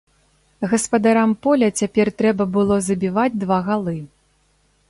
Гаспадарам поля цяпер трэба было забіваць два галы.